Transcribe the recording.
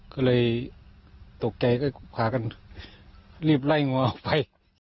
ก็เลยตกใจก็พากันรีบไล่ง้อออกไป